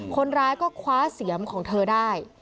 คนร้ายก็คว้าเสียมของเธอได้